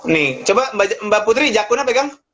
nih coba mbak putri jakuna pegang